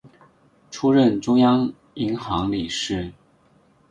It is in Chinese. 出任中央银行理事。